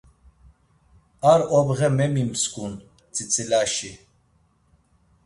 Ar obğe memimsǩun, tzitzilaşi.